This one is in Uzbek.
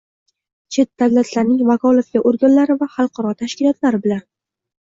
chet davlatlarning vakolatli organlari va xalqaro tashkilotlar bilan